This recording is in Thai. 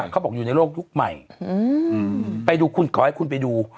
เขาบอกอยู่ในโลกยุคใหม่ไปดูคุณขอให้คุณไปดู